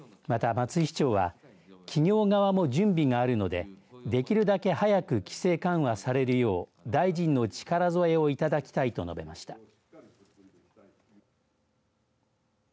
また松井市長は企業側も準備があるのでできるだけ早く規制緩和されるよう大臣の力添えをいただきたいと述べました。